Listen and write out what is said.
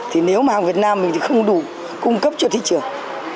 thì nếu mà hàng việt nam mình thì không đủ cung cấp cho thị trường